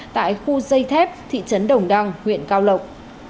tại khu dây thép thị trấn đồng đăng huyện cao lộc